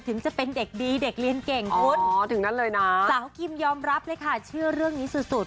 ถึงจะเป็นเด็กดีเด็กเรียนเก่งคุณสาวกิมยอมรับเลยค่ะเชื่อเรื่องนี้สุด